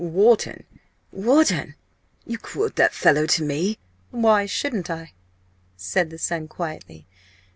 "Wharton? Wharton? You quote that fellow to me?" "Why shouldn't I?" said the son, quietly.